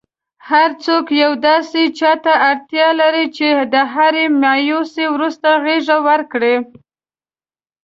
هرڅوک یو داسي چاته اړتیا لري چي د هري مایوسۍ وروسته غیږه ورکړئ.!